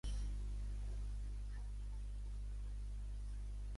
L'augment del comerç va millorar enormement les condicions de vida dels habitants de Ramallah.